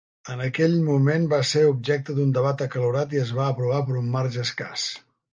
En aquell moment va ser objecte d'un debat acalorat i es va aprovar per un marge escàs.